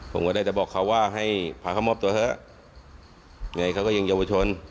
ผมก็ได้แต่บอกเขาว่าให้พาเขามอบตัวเถอะไงเขาก็ยังเยาวชน